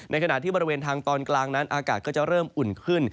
ขณะที่บริเวณทางตอนกลางนั้นอากาศก็จะเริ่มอุ่นขึ้น